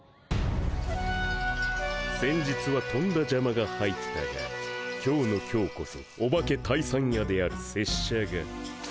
先日はとんだじゃまが入ったが今日の今日こそオバケ退散やである拙者が。